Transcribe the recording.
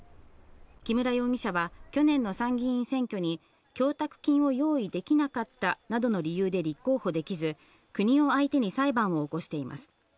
木村容疑者は去年の参議院選挙に供託金を用意できなかったなどの理由で立候補できず、国を相手に裁判を起こしています。